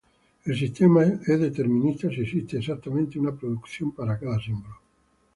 El sistema es determinista si existe exactamente una producción para cada símbolo.